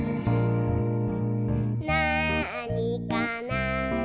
「なあにかな？」